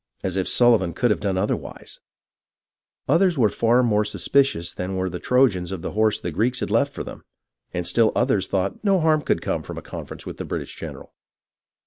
As if Sullivan could have done otherwise ! Others were far more suspicious than were the Trojans of the horse the Greeks had left for them, and still others thought no harm could come from a conference with the British general.